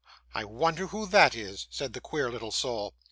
'I wonder who that is,' said the queer little soul.